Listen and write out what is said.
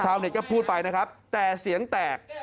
เน็ตก็พูดไปนะครับแต่เสียงแตก